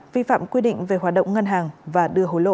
vi phạm quy định về hoạt động ngân hàng và đưa hối lộ